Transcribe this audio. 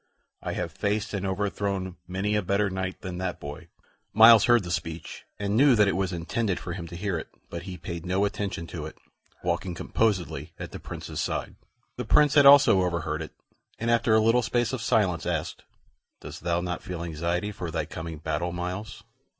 I have faced and overthrown many a better knight than that boy." Myles heard the speech, and knew that it was intended for him to hear it; but he paid no attention to it, walking composedly at the Prince's side. The Prince had also overheard it, and after a little space of silence asked, "Dost thou not feel anxiety for thy coming battle, Myles?"